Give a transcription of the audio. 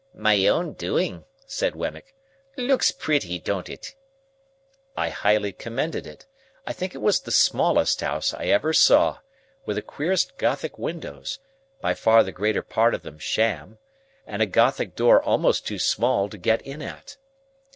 "My own doing," said Wemmick. "Looks pretty; don't it?" I highly commended it, I think it was the smallest house I ever saw; with the queerest gothic windows (by far the greater part of them sham), and a gothic door almost too small to get in at.